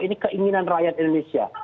ini keinginan rakyat indonesia